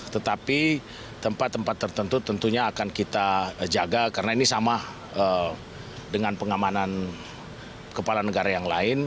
tetapi tempat tempat tertentu tentunya akan kita jaga karena ini sama dengan pengamanan kepala negara yang lain